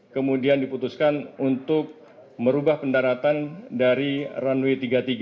kemudian diputuskan untuk merubah pendaratan dari runway tiga puluh tiga